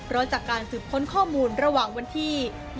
เพราะจากการสืบค้นข้อมูลระหว่างวันที่